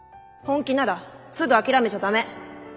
本気ならすぐ諦めちゃ駄目。